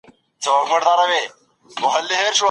لومړنی دولت څنګه جوړ سو؟